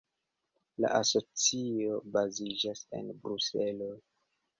La asocio baziĝas en Bruselo.